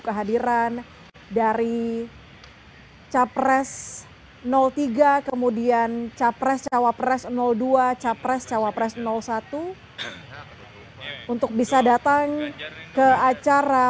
kehadiran dari capres tiga kemudian capres cawapres dua capres cawapres satu untuk bisa datang ke acara